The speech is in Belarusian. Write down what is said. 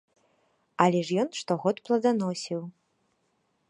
Але ж ён штогод пладаносіў.